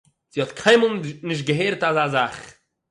זי האָט קיינמאָל נישט געהערט אַזאַ זאַך